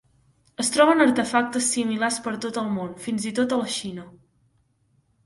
Es troben artefactes similars per tot el món, fins i tot a la Xina.